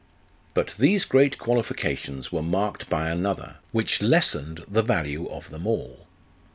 But these great qualifications were marked by another, which lessened the value of them all.